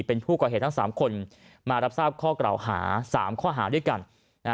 เป็นผู้ก่อเหตุทั้ง๓คนมารับทราบข้อกล่าวหา๓ข้อหาด้วยกัน